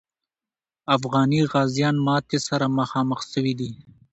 افغاني غازیان ماتي سره مخامخ سوي دي.